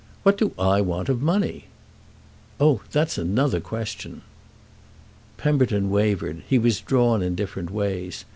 What do I want of money?" "Oh that's another question!" Pemberton wavered—he was drawn in different ways.